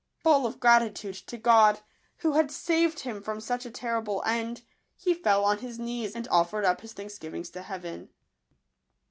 Full of gratitude to God, who had saved him from such a terrible end, he fell on his knees, and offered up his thanksgivings to Heaven.